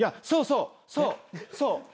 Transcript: そうそうそう。